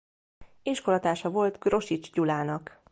Iskolatársa volt Grosics Gyulának.